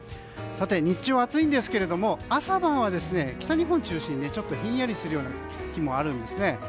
日中は暑いんですけども朝晩は北日本中心にちょっとひんやりする日もあるんですね。